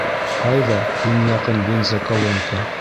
Ҡайҙа иң яҡын бензоколонка?